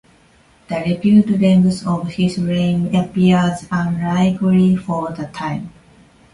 The reputed length of his reign appears unlikely for the time.